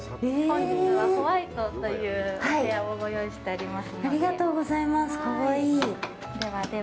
本日はホワイトというお部屋をご用意しておりますので。